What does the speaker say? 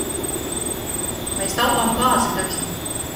Mēs taupām gāzi taču.